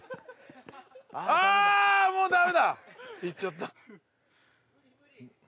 行っちゃった。